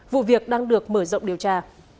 vụ việc đang được mở rộng điều tra